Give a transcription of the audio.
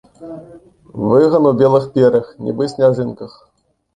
Выган у белых пер'ях, нібы сняжынках.